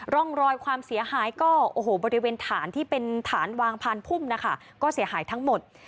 ร่องรอยความเสียหายก็โอ้โหบริเวณฐานที่เป็นฐานวางพานพุ่มนะคะก็เสียหายทั้งหมด